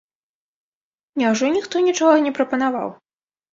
Няўжо ніхто нічога не прапанаваў?